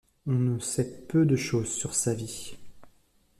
On sait peu de chose sur sa vie.